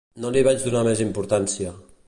No li vaig donar més importància.